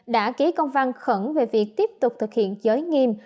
đã ký công văn khẩn về việc tiếp tục thực hiện giới nghiêm